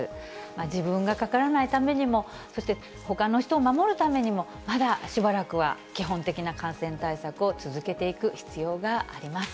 自分がかからないためにも、そして、ほかの人を守るためにも、まだしばらくは基本的な感染対策を続けていく必要があります。